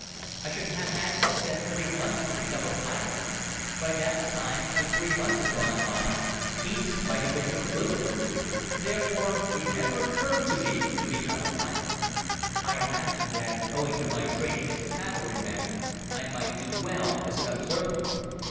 I should have had to spend three months to become a pilot. By the time the three months had gone by, peace might have been concluded. Therefore, it never occurred to me to become a pilot. I imagined that, owing to my training as a cavalryman, I might do well as an observer.